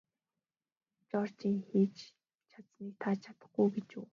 Жоржийн хийж чадсаныг та чадахгүй гэж үү?